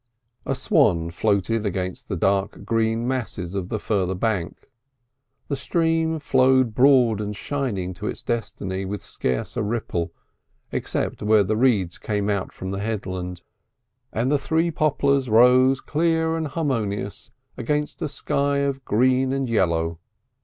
A swan floated against the dark green masses of the further bank, the stream flowed broad and shining to its destiny, with scarce a ripple except where the reeds came out from the headland the three poplars rose clear and harmonious against a sky of green and yellow.